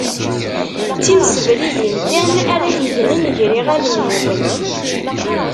D timsebridin kan ara yegnen gar iɣallen-iw